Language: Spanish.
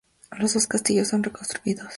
Los dos castillos son reconstruidos.